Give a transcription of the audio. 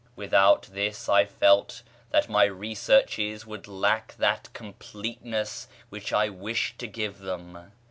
Without this I felt that my researches would lack that completeness which I wished to give them.